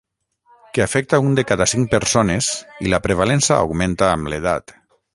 Que afecta un de cada cinc persones, i la prevalença augmenta amb l'edat.